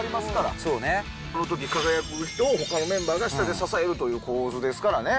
そのとき輝く人をほかのメンバーが下で支えるという構図です